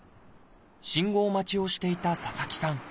信号待ちをしていた佐々木さん。